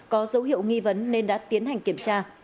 có dấu hiệu nghi vấn nên đã tiến hành kiểm tra